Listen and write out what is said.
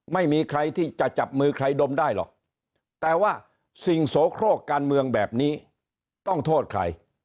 ไม่มีใครที่จะจับมือใครดมได้หรอกแต่ว่าสิ่งโสโครกการเมืองแบบนี้ต้องโทษใคร